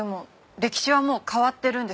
歴史はもう変わってる。